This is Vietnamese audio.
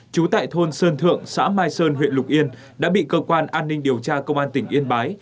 trú tại thôn sơn thượng xã mai sơn huyện lục yên đã bị cơ quan an ninh điều tra công an tỉnh yên bái